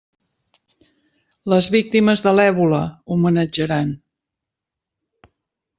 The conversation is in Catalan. Les víctimes de l'èbola, homenatjaran!